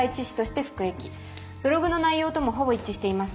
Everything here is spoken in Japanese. ブログの内容ともほぼ一致しています。